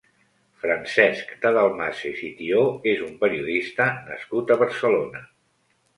Francesc de Dalmases i Thió és un periodista nascut a Barcelona.